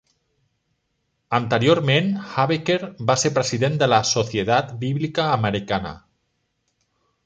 Anteriorment, Habecker va ser president de la Sociedad Bíblica Americana.